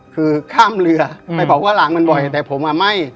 คือข้ามเรือไปเผาข้าวลามมันบ่อยแต่ผมอ่ะไม่